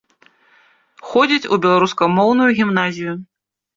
Ходзіць у беларускамоўную гімназію.